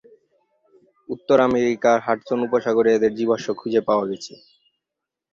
উত্তর আমেরিকার হাডসন উপসাগরে এদের জীবাশ্ম খুঁজে পাওয়া গেছে।